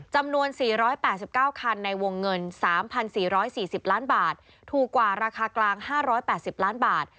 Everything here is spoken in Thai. จำนวน๔๘๙คันในวงเงิน๓๔๔๐ล้านบาทถูกกว่าราคากลาง๕๘๐ล้านบาท